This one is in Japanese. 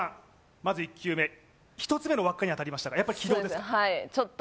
まず１球目１つ目の輪っかに当たりましたがやっぱり軌道ですかはいちょっと